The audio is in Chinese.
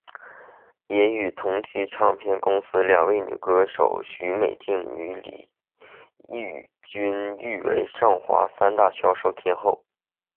也与同期唱片公司两位女歌手许美静和李翊君誉为上华三大销售天后。